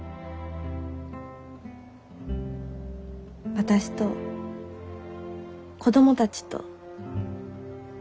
私と子供たちと。